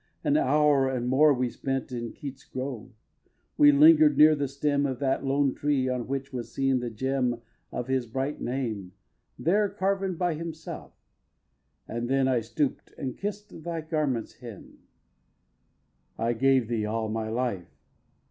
An hour and more we spent In Keats's Grove. We linger'd near the stem Of that lone tree on which was seen the gem Of his bright name, there carven by himself; And then I stoop'd and kiss'd thy garment's hem. x. I gave thee all my life.